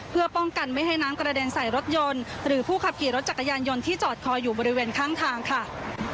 เพื่อป้องกันไม่ให้น้ำกระเด็นใส่รถยนต์หรือผู้ขับขี่รถจักรยานยนต์ที่จอดคออยู่บริเวณข้างทางค่ะ